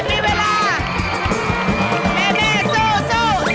แม่แม่สู้สู้